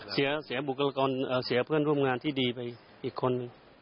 เสียบุคลากรเสียเพื่อนร่วมงานที่ดีไปอีกคนนึง